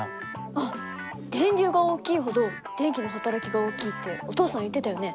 あっ電流が大きいほど電気の働きが大きいってお父さん言ってたよね。